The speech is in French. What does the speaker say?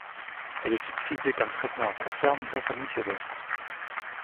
Elle est utilisée comme traitement à court terme d'insomnie sévère.